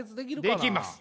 できます。